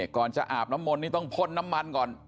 ก่อนจะอาบน้ำมนต์นี่ต้องพ่นน้ำมันก่อน